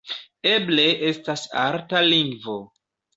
Eble estas arta lingvo.